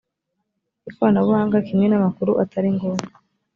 ikoranabuhanga kimwe n amakuru atari ngombwa